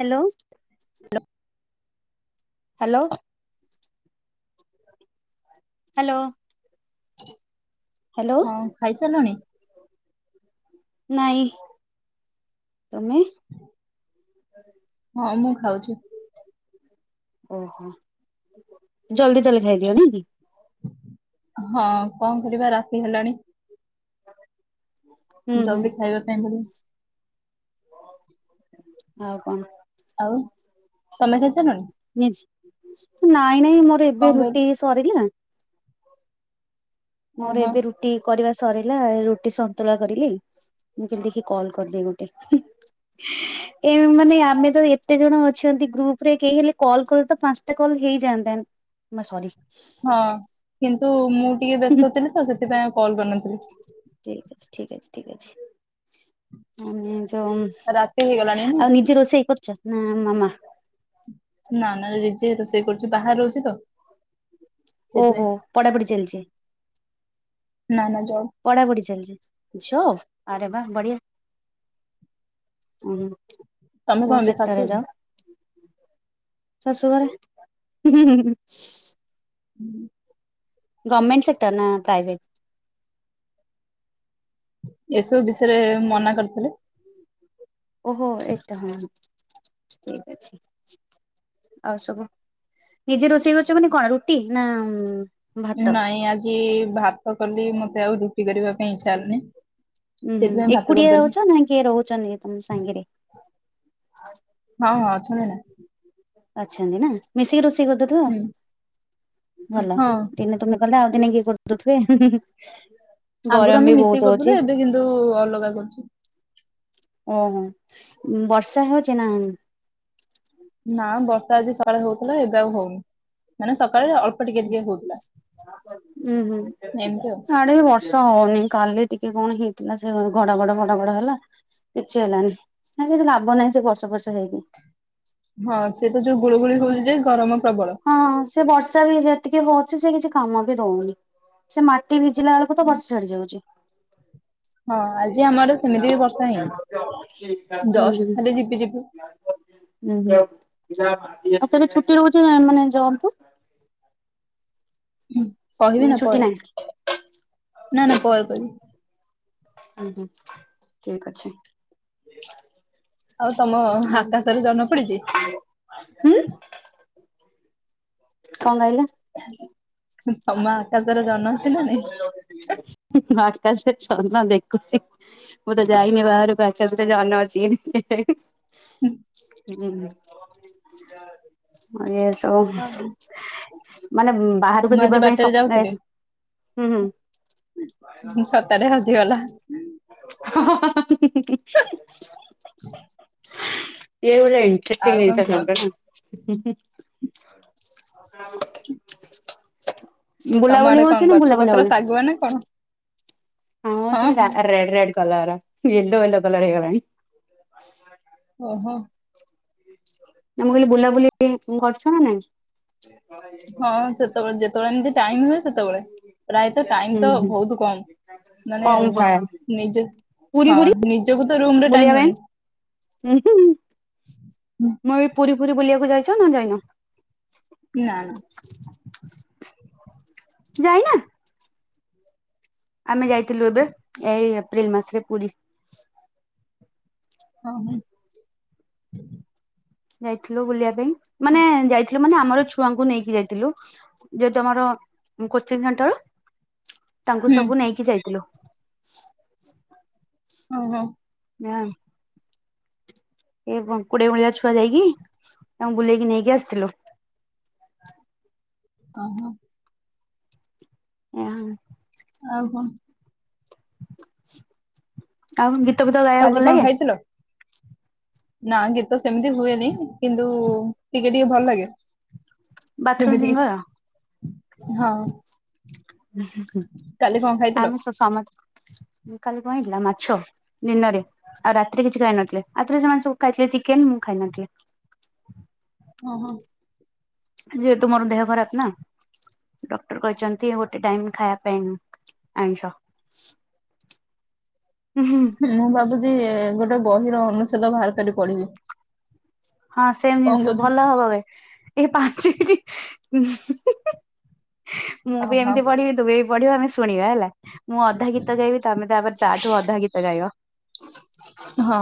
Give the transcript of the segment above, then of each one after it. Hello ହା hello hello ହଁ ଖାଇସାରିଲଣି? ନାଇଁ ତମେ? ହଁ ମୁଁ ଖାଉଛି। ଓହୋ ଜଲଦି ତାହେଲେ ଖାଇଦିଅ ନାଇକି ହଁ କଣ କରିବା ରାତି ହେଲାଣି। ହୁଁ ଜଲଦି ଖାଇବା ପାଇଁ ପଡିବ। ଆଉ କ'ଣ? ଆଉ ତମେ ଖାଇସାରିଲଣି? ଇଁସ୍ ନାଇଁ ନାଇଁ ମୋର ଏବେ କଣ କହିଲେ? ରୁଟି ସ୍ ସରିିଲା। ମୋର ଓହୋ ଏବେ ରୁ ଟି କରିବା ସରିଲା। ରୁଟି ସନ୍ତୁଳା କରିଲି। ମୁଁ କେମ ଦେଖି କଲ କରଦିଏ ଗୋଟେ ହୁଁ ହୁଁ। ହ ଏ ମାନେ ଆମେ ତ ଏତେ ଜଣ ଅଛନ୍ତି ଗ୍ରୁପ ରେ କେହି ହେଲେ କଲ କଲେ ତ ପାଞ୍ଚଟା କଲ ହେଇଯାଆନ୍ତା। ମା ସରି। ହଁ, କିନ୍ତୁ ମୁଁ ଟିକେ ବ୍ୟସ୍ତ ଥିଲି ତ ସେଥିପାଇଁ ଆଉ କଲ କରିନଥିଲି। ଠିକ ଅଛି ଠିକ ଅଛି ଠିକ ଅଛି। ଉଁ ତ, ରାତି ହେଇଗଲାଣି ନୁହେଁ? ଆଉ ନିଜେ ରୋଷେଇ କରୁଛ ନା ମାମା? ନା ନା ନିଜେ ରୋଷେଇ କରୁଛି ବାହାରେ ରହୁଛି ତ। ଓ ସେଥିପାଇଁ। ହୋ, ପଢ଼ାପଢ଼ି ଚାଲଛି? ନା ନା ଜବ୍ ପଢା ପଢି ଚାଲିଛି। ଜବ୍ ଆରେ ବା ବଢିଆ। ଉଁ ହୁଁ, ତମେ କଣ କୋଉ ଏବେ ଶାଶୁ? ସେକ୍ଟରରେ ଜବ୍? ଶାଶୁ ଘରେ। ଗମେଣ୍ଟ ସେକ୍ଟର ନା ପ୍ରାଇଭେଟ୍? ଏସବୁ ବିଷୟରେ ହେଲା ମନା କରିଥିଲେ। ଓହୋ ଏଟା ହଁ ଠିକ୍ ଅଛି। ଆଉ ସବୁ, ନିଜେ ରୋଷେଇ କରୁଛ ମାନେ କ'ଣ ରୁଟି ନା ଭାତ ନାଇଁ ଆଜି ଭାତ କଲି ମତେ ଆଉ ରୁଟି କରିବା ପାଇଁ ଇଚ୍ଛା ହେଲାନି। ଉୁଁ ହୁଁ, ସେଥିପାଇଁ ଭାତ ଏକୁଟିଆ କରିଦେଲି। ରହୁଛ ନା କିଏ ରହୁଛନ୍ତି ତମ ସାଙ୍ଗରେ? ହଁ ହଁ ଅଛନ୍ତି ନା। ଅଛନ୍ତି ନା ‌। ମିଶିକି ରୋଷେଇ ହୁଁ କରଦଉଥିବ। ଭଲ ହଁ। ଦିନେ ତମେ କଲେ ଆଉ ଦିନେ କିଏ କରଦଉଥିବେ। ହୁଁ ହୁଁ ହୁଁ। ଆଗରୁ ଆମେ ମିଶିକି କରୁଥିଲୁ। ଏବେ କିନ୍ତୁ ଅଲଗା କରୁଛୁ। ଓହୋ, ବର୍ଷା ହେଉଛି ନା? ନା ବର୍ଷା ଆଜି ସକାଳେ ହଉଥିଲା। ଏବେ ଆଉ ହଉନି ମାନେ ସକାଳେ ଅଳ୍ପ୍ ହୁଁ ଉଁ ହୁଁ। ଏମିତି ଆଉ। ଆ ଏବେ ବର୍ଷ ହଉନି। କାଲି ଟିକେ କଣ ହେଇଥିଲା ସେ ଘଡ ଘଡ ଘଡ ଘଡ ହେଲା। କିଛି ହେଲାନି। ନାଇଁ ସେ ଯୋଉ ଲାଭ ନାହିଁ ସେ ବର୍ଷ ବର୍ଷ ହେଇକି। ହଁ, ସେ ତ ଯୋଉ ଗୁଳୁଗୁଳୁ ହଉଛି ଯେ ଗରମ ପ୍ରବଳ। ହଁ ସେ ବର୍ଷା ବି ହେଇଯାଏ ଟିକେ ବସିଛି କିଛି କାମ ବି ଦଉନି। ସେ ମାଟି ଭିଜିଲା ବେଳକୁ ତ ବର୍ଷା ଛାଡି ଯାଉଛି। ହଁ ଆଜି ହୁଁ ଆମର ହୁଁ। ସେମିତି ବି ବର୍ଷା ହୁଁ ହେଇନି ହୁଁ, ଜଷ୍ଟ ଖାଲି ଝିପି ଝିପି ଆଉ କେବେ ଛୁଟି ରହୁଛି ମାନ୍ ମାନେ ଜବ୍ କୁ? ହୁଁ, କହିବି ନାଇଁ ନା ଛୁଟି ପରେ ନାହିଁ ନା ନା ପରେ କହିବି। ହୁଁ ହୁଁ ଠିକ୍ ଅଛି। ଆଉ ତମ ଆକାଶର ଜହ୍ନ ପଡିଛି ନାଇଁ। ହୁଁ, କ'ଣ କହିଲେ? ତମ ଆକାଶରେ ଜହ୍ନ ଆସିଲାଣି? ଓ୍ବାଷ୍ଟା ସେ ଜହ୍ନ ଦେଖୁଛି। ମୁଁ ତ ଯାଇନି ବାହାରକୁ ଆକାଶରେ ଜହ୍ନ ଅଛି କେମତି। ହୁଁ, ମାଣ୍ଡିଆ ଚପ୍। ମାନେ ବାହାରକୁ ଯିବା ପାଇଁ ସକ୍ ଏସ୍ ଛତା ଟା ହଜିଗଲା। ହଁ ହଁ ହଁ ହଁ ହୁଁ ହୁଁ ହୁଁ ହୁଁ। ହୁଁ ଇଏ ବେଧେ ଏନକ୍ରିପ୍ଟଟିଂ କଣ ଜିନିଷ କୁହ ଶଦ୍ଦ ଟା। ହଁ ହ [unintelligible] [inaudible] ବୁଲାବୁଲି ହଉଛି। ନା ବୁଲାବୁଲି ହଉନି? ଭଗଆ ନା କଣ [unintelligible] ହଁ red red colour, yellow yellow colour ହେଇଗଲାଣି। ଓହୋ ତମେ କହିଲି ବୁଲାବୁଲି କରୁଛ ନା ନାଇଁ? ହଁ ସେତେବେଳେ ଯେତେବେଳେ ଏମିତି ଟାଇମ ହୁଏ ସେତେବେଳେ ପ୍ରାୟତଃ ଟାଇମ ହୁଁ ତ ହୁଁ। ବହୁତ କଣ ପାଇଁ। ନିଜ ହଁ ନିଜକୁ ତ ରୁମ ର ଟାଇମ ହେଉନି। ହ [inaudible] [unintelligible] ମୁଁ ଏ ପୁରୀ ପୁରୀ ବୁଲିବାକୁ ଯାଇଛ ନା ଯାଇନ। ନା ନା। ଯାଇନା? ଆମେ ଯାଇଥିଲୁ। ଏବେ ଏଇ ଏପ୍ରିଲ ମାସରେ ପୁରୀ। ହଉ ହୋ। ଯାଇଥିଲୁ ବୁଲିବା ପାଇଁ, ମାନେ ଯାଇଥିଲୁ ମାନେ ଆମର ଛୁଆଙ୍କୁ ନେଇକି ଯାଇଥିଲୁ। ଯି ତମର କୋଚିଂ ସେଣ୍ଟର, ତାଙ୍କୁ ହୁଁ ସବୁ ନେଇକି ଯାଇଥିଲୁ। ହୁଁ ହୁଁ। ହଁ [inaudible] ଏ କୋଡିଏ ଭଳିଆ ଛୁଆ ଯାଇକି ତାଙ୍କୁ ବୁଲେଇକି ନେଇକି ଆସିଥିଲୁ। ଓହୋ। ଏହା [inaudible] ଆଉ କଣ। ଆଉ ଯେତ [unintelligible] କାଲି କଣ ଖାଇଥିଲ? ନା ଗୀତ ସେମିତି ହୁଏନି କିନ୍ତୁ ଟିକେ ଟିକେ ଭଲ ଲାଗେ। ବାଥରୁମ ସେମିତି ସିଙ୍ଗର କିଛି ହଁ। କାଲି କଣ ଖାଇଥିଲ? ଆମେ ସ ସ [unintelligible] ମ କାଲି କଣ ହେଇଥିଲା ମାଛ। ଦିନରେ ଆଉ ରାତିରେ କିଛି ଖାଇ ନଥିଲେ। ରାତିରେ ସେମାନେ ସବୁ ଖାଇଥିଲେ ଚିକେନ ମୁଁ ଖାଇ ନଥିଲି। ଓହୋ। ଯେ ତୁମର ଦେହ ଖରାପ ନା। ଡକ୍ଟର କହିଛନ୍ତି ଗୋଟେ ଟାଇମ ଖାଇବା ପାଇଁ ଆଇଁଷ। ମୁଁ ଭାବୁଛି ଗୋଟେ ବହିର ଅନୁଚ୍ଛେଦ ବାହାର କରି ପଢିବି। ହଁ ସେମ କଣ ଜିନିଷ କହୁଛ? ଭଲ ହବବେ। ଏ ପାଞ୍ଚ ମିନିଟ ମୁଁ ବି ଓହୋ ଏମିତି ପଢିବି। [unintelligible] ପଢିବ ଆମେ ଶୁଣିବା ହେଲା ମୁଁ ଅଧା ଗୀତ ଗାଇବି ତମେ ତାପରେ ତାଠୁ ଅଧା ଗୀତ ଗାଇବ। ହଁ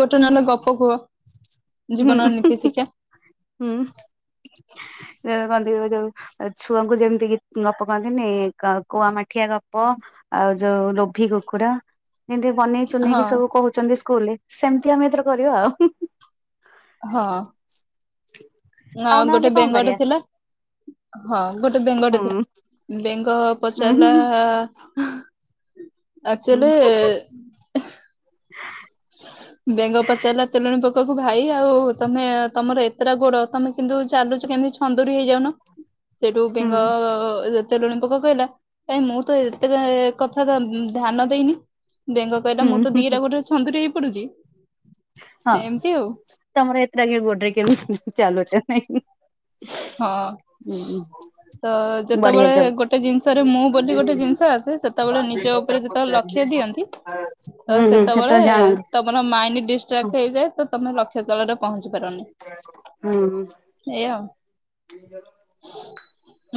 ଗୋଟେ ନହେଲେ ଗପ କୁହ, ହୁଁ ଜୀବନର ନୀତି ଶିକ୍ଷା। ହୁଁ କନ୍ତି ଯୋଉ। [unintelligible] ଛୁଆଙ୍କୁ ଯେମିତି ଗପ କହିପକାନ୍ତିନି କୁଆ ମାଠିଆ ଗପ। ଆଉ ଯୋଉ ଲୋଭି କୁକୁଡ଼ା। ଯେମିତି ବନେଇ ଚୁନେଇକି ହଁ ସବୁ କହୁଛନ୍ତି ସ୍କୁଲରେ ସେମିତି ଆମେ ଏଥର କରିବା ଆଉ। ହଁ। ଆ ଆଉ ଗୋଟେ ନହେଲେ କଣ ବେଙ୍ଗଟେ କରିବା। ଥିଲା ହଁ ଗୋଟେ ବେଙ୍ଗଟେ ହୁଁ ଥିଲା ବେଙ୍ଗ ହୁଁ ପଚାରିଲା ହୁଁ ଆକ୍ଚୁଆଲି [inaudible] ବେଙ୍ଗ ପଚାରିଲା ତେଲୁଣି ପୋକକୁ ଭାଇ ଆଉ ତମେ ତମର ଏତେଟା ଗୋଡ ତମେ କିନ୍ତୁ ଚାଲୁଛ କେମିତି। [unintelligible] ହେଇଯାଉନ ସେଇଠୁ ହୁଁ ବେଙ୍ଗ ତେଲୁଣିୀ ପୋକ କହିଲା କାଇଁ ମୁଁ ତ ଏତେ କଥା ଧ୍ୟାନ ଦେଇନି। ବେଙ୍ଗ କହିଲା ମୁଁ ତ ହୁଁ ଦିଟା ଗୋଟେ ଛନ୍ଦୁରୀ ହେଇ ପଡୁଛି। ହଁ ଏମିତି ଆଉ ତମର ଏତରେଙ୍ଗି ଗୋଡରେ କେ ଚାଲୁଛ ନାଇ। [inaudible] ହଁ ତ ବଢିଆ ଯେତେବେଳେ ଜୋ ଗୋଟେ ଜିନିଷରେ ମୁଁ ବୋଲି ଗୋଟେ ଜିନିଷ ଆସେ ସେ ସେତେବେଳେ ନିଜ ଉପରେ ଯେତେବେଳେ ଲକ୍ଷ୍ୟ ଦିଅନ୍ତି ତ ହୁଁ ହୁଁ ସେତେବେଳେ ଜାଣନ୍ତି ତ ତମର ମାଇଣ୍ଡ ହଁ ଡିଷ୍ଟ୍ରାକ୍ଟ ହେଇଯାଏ ତୁମେ ଲକ୍ଷ୍ୟସ୍ଥଳରେ ପହଞ୍ଚି ପାରନି। ହଁ। ଏଇଆଉ। [inaudible]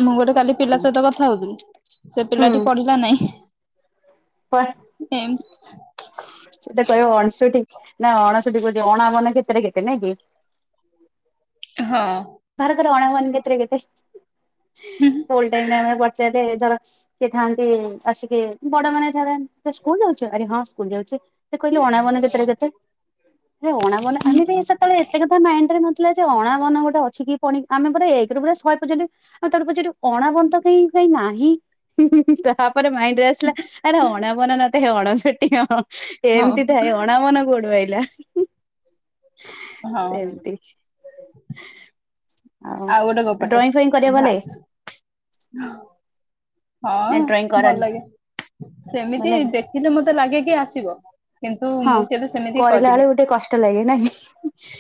ମୁଁ ଗୋଟେ କାଲି ପିଲା ସହିତ କଥା ହଉଥିଲି ସେ ପିଲାଟି ହୁଁ ପଢିଲା ନାଇଁ। ଏମ୍ ସେତେ କହିବ ଅଣଷଠି ନା ଅଣଷଠି କୋଉଚି ଅଣାବନ କେତେରେ କେତେ ନାଇଁ କି? ହଁ। ବାହାର କର ଅଣାବନ କେତେ ରେ କେତେ ସ୍କୁଲ ଟାଇମ ରେ ଆମେ ପଚାରିବା ଏ ଧର। ସିଏ ଥାନ୍ତି ଆସିକି ବଡ ମାନେ ଏଠାରେ ସ୍କୁଲ ଯାଉଛ ଆରେ ହଁ ସ୍କୁଲ ଯାଉଛି। କହିଲେ ଅଣାବନ କେତେରେ କେତେ? ହେ ଅଣାବନ ଆମେ କାଇଁ ସେତେବେଳେ ଏତେ କଥା ମାଇଣ୍ଡ ରେ ନଥିଲା ଯେ ଅଣାବନ ଗୋଟେ ଅ କିଛି କିି ପ ଆମେ ପୁରା ଏକରୁ ପୁରା ଶହେ ପର୍ଯ୍ୟନ୍ତ ଆଉ ତାପରେ ପଚାରିବୁ ଅଣବନ କାହିଁ କାଇହିଁ ନାହିଁ। ତାପରେ ମାଇଣ୍ଡ ରେ ଆସିଲା ଆରେ ଅଣାବନା ନତେ ହେ ଅଣଷଠି ଅ। ହଁ ଏମିତି ଥାଇ ଅଣା ମନ କୋଉଠୁ ଆଇଲା। ହଁ ସେମତି। ଆଉ ଡ୍ରଇଂ ଫଇଂ କରିବାକୁ ଭଲ ଲାଗେ? ହଁ। ନା ହଁ ଡ୍ରଇଂ ଭଲ କରନି ଲାଗେ, ଭଲ ସେମିତି ଲାଗେ? ଦେଖିଲେ ମତେ ଲାଗେ କି ଆସିବ। କିନ୍ତୁ ହଁ ମୁଁ କେବେ ସେମିତି କରିଲା ବେଳେ କରିନି ଗୋଟେ କଷ୍ଟ ଲାଗେ ନା କି?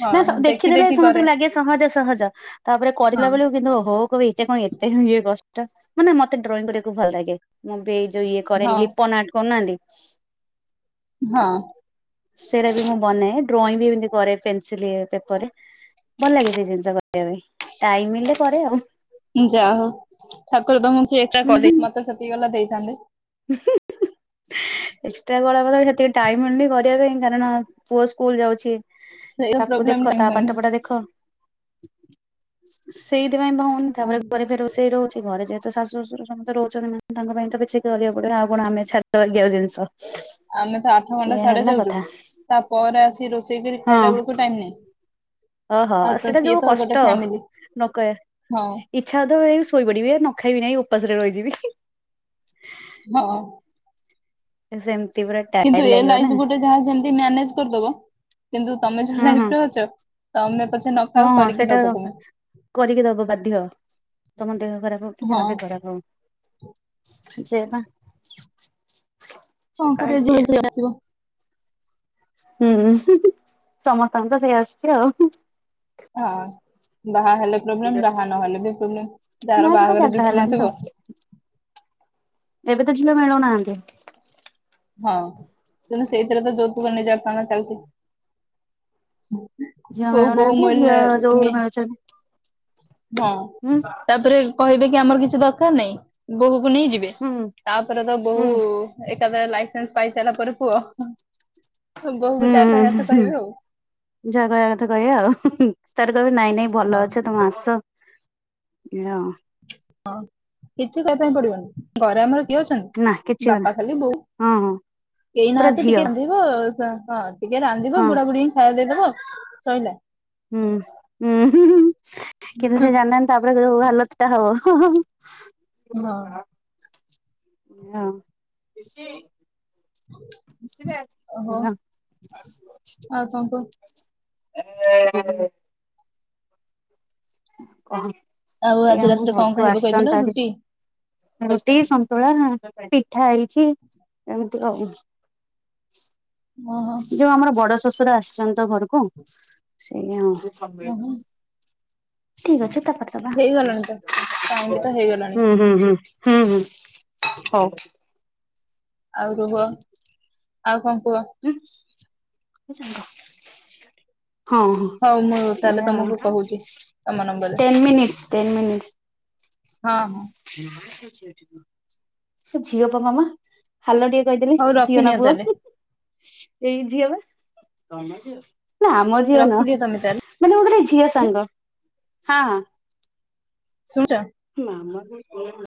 ହଁ ନା ଦେଖି ଦେଖିଦେଲେ ଦେଖି କରେ ସମସ୍ତଙ୍କୁ ଲାଗେ ସହଜ ସହଜ ତାପରେ ହଁ କରିଲା ବେଳକୁ କିନ୍ତୁ ଓଉ ଏ ଏତେ କଣ ଏତେ ଇଏ କଷ୍ଟ ମାନେ, ମତେ ଡ୍ରଇଂ କରିବାକୁ ଭଲ ଲାଗେ। ମୁଁ ବି ଏଇ ଯୋଉ ଇଏ କରେ ହଁ ଲିପନ ଆର୍ଟ କରୁନାହାନ୍ତି। ହଁ ସେଇଟା ବି ମୁଁ ବନାଏ, ଡ୍ରଇଂ ବି ଏମତି କରେ ପେନସିଲ ପେପରରେ। ଭଲ ଲାଗେ ସେଇ ଜିନିଷ କରିବା ପାଇଁ ଟାଇମ ମିଳିଲେ କରେ ଆଉ। ଯାହଉ ଠାକୁର ତମକୁ [inaudible] କଲେ, ମତେ ସେତିକି ହେଲେ ଦେଇଥାନ୍ତେ। [inaudible] ଏକ୍ସଟ୍ରା ଗଲେ ସେତିକି ଟାଇମ ମିଲୁନି କରିବା ପାଇଁ, କାରଣ ପୁଅ ସ୍କୁଲ ଯାଉଛି। ସେଇ ତାକୁ ଦେଖ, ପ୍ରୋବ୍ଲେମ ଟା ତା ପାଠ ହଉନି। ପଢା ଦେଖ। ସେଇଥିପାଇଁ ହଉନି ତାପରେ ହଁ ଘରେ ବି ରୋଷେଇ ରହୁଛି ଘରେ ଯେ ତ ଶାଶୁ ଶ୍ୱଶୁର ସମସ୍ତେ ରହୁଛନ୍ତି, ତାଙ୍କ ପାଇଁ ତ କିଛି କରିବାକୁ ପଡିବନା ଆଉ କଣ ଆମେ ଛାଡ଼ିଦବା କି ଜିନିଷ। ଆମେ ତ ଆଠ ଘଣ୍ଟା ଏଇଆ ସାଡେ ହେଲା ଯାଉଛୁ କଥା ତା ପରେ ଆସିିକି ରୋଷେଇ କରି ଖାଇଲା ବେଳକୁ ଟାଇମ ନାହିଁ। ଅ ହ ଆଉ ତ ସେଇଟା ସିଏ ଯୋଉ ତ ଗୋଟେ କଷ୍ଟ ଫ୍ୟାମିଲି ନକହ ହଁ ଇଚ୍ଛା ହଉଥିବ ତ ଶୋଇ ପଡିବି ନଖାଇବି ନାହିଁ ଉପାସରେ ରହିଯିବି। ହଁ। ସେମିତି ପୁରା କିନ୍ତୁ ଟାୟାର୍ଡ ଏ ଲାଗିବ ନା। ଲାଇଫ ଗୋଟେ ଯାହା ଯେମତି ମ୍ୟାନେଜ୍ କରିଦବ। କିନ୍ତୁ ତମେ ଯୋଉ ହଁ ହଁ ଲାଇଫରେ ଅଛ, ତମେ ପଛେ ହଁ ନଖାଅ ହଁ କରିକି ସେଇଟା ଦବ ତମେ। କରିକି ଦବ ବାଧ୍ୟ ତମ ଦେହ ଖରାପ ହଉ କି ହଁ ଯାହାବି ଖରାପ ହଉ। ସେୟା ପା। କଣ କରାଯିବ [inaudible] ଆସିବ। ହୁଁ ସମସ୍ତଙ୍କ ତ ସେଇ ଆସକି ଆଉ। ହଁ ବାହା ହେଲେ ପ୍ରୋବ୍ଲେମ, ବାହା ନହେଲେ ବି ପ୍ରୋବ୍ଲେମ, ଯାହାର ନା ସେଟା ବାହାଘର ଜାଗା ଜୁଟୁ ହେଲାନି ତ ନଥିବ ଏବେ ତ ଝିଅ ମିଳୁନାହାନ୍ତି। ହଁ କିନ୍ତୁ ସେଇଥିରେ ତ ଯୌତୁକ ନିର୍ଯ୍ୟାତନା ଚାଲିଛି। ଝିଅ ମୋ ବୋହୁ ମିଳୁନାହାନ୍ତି ମନ ଝିଅ ଯୋଉ ମି ମିଳୁଛନ୍ତି ହୁଁ ଧା-ତାପରେ କହିବେ କି ଆମର କିଛି ଦରକାର ନାହିଁ। ବୋହୂକୁ ନେଇ ଯିବେ, ହୁଁ ତାପରେ ତ ହୁଁ ବୋହୁ ଏକାଥରେ ଲାଇ ସେନ୍ସ ପାଇସାରିଲା ପରେ ପୁଅ ବୋହୁକୁ ହୁଁ ଯାହା ତାହା ଆଛା ହୁଁ କହିବେ ଆଉ ଯାହା କହିବା କଥା କହିବେ ଆଉ, ତାର କହିବେ ନାଇଁ ନାଇଁ ଭଲ ହଁ ଅଛ, ତୋମେ ଆସ। ନା। ହଁ କିଛି କରିବା ପାଇଁ ପଡିବନି, ଘରେ ଆମର କିଏ ନା କିଛି ଅଛନ୍ତି ହବନି ବାପା ଖାଲି ବୋଉ, ହଁ ହଁ କେହି ପୁରା ନାହାନ୍ତି ଝିଅ ଟିକେ ରାନ୍ଧିବ ଏଇ ସେ ହଁ। ଟିକେ ରାନ୍ଧିବ, ହଁ ବୁଢା ବୁଢୀଙ୍କି ଖାଇବାକୁ ଦେଇଦବ ସଇଲା। ହୁଁ, ହୁଁ କିନ୍ତୁ ସେ ଜାଣିନାହାନ୍ତି ତାପରେ ଯୋଉ ହାଲତ ଟା ହବ। ହଁ। ହଁ। ଓହୋ ନୋ ଆଉ କଣ କୁହ? [inaudible] କହ ଆଉ ଏଇ ଆଜି ଆମ ରାତିରେ କଣ ଘରକୁ ଖାଇବ କହିଥିଲ ଆସିଛନ୍ତି ତ ଆଜି ରୁଟି ରୁଟି, ସନ୍ତୁଳା, ପିଠା ହେଇଛି, ଏମିତି ଆଉ। ଓହୋ ଯୋଉ ଆମର ବଡ ଶଶୁର ଆସିଛନ୍ତି ଘରକୁ ସେଇଆ। ଓହୋ ଠିକ ଅଛି ତାପରେଦବା, ହେଇଗଲାଣି ତ। ଟାଇମ ବି ତ ହେଇଗଲାଣି ହୁଁ, ହୁଁ, ହୁଁ। ହୁଁ, ହୁଁ ହଉ। ଆଉ କଣ କୁହ, ଆଉ କଣ କୁହ? ଉଁ, ମୋ ସାଙ୍ଗ। ହଁ ହଁ ହଉ ମୁଁ ତାହେଲେ ତମକୁ ଏଇଆ, କହୁଛି ତମ ନମ୍ବରରେ ଟେନ୍ ମିନିଟ୍ସ ଟେନ୍ ମିନିଟ୍ସ। ହଁ, ହଁ। ସେ ଝିଅ ପା ମମା। ହାଲ ଟିକେ କହିଦେଲି ହଉ ଝିଅ ନା ରଖିନିଅ ପୁଅ। ତାହେଲେ ଏଇ ଝିଅ ବା ନା ଆମ ଝିଅ ନୁହଁ। ରଖିଦିଅ ତମେ ତାହେଲେ ମାନେ ଗୋଟେ ଝିଅ ସାଙ୍ଗ ହଁ, ହଁ। ଶୁଣୁଚ। ମାମା ବି [inaudible]